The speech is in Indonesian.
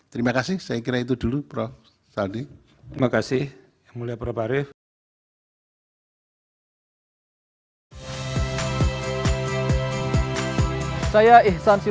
terima kasih saya kira itu dulu prof saldi